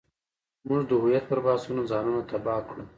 موږ د هویت پر بحثونو ځان نه تباه کړو.